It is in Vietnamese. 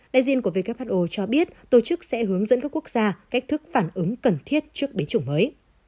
đại diện của who cho biết tổ chức sẽ hướng dẫn các quốc gia cách thức phản ứng cần thiết trước bế chủng mới